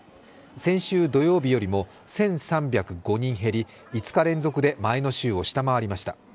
先週土曜日よりも１３０５人減り５日連続で前の週を下回りました。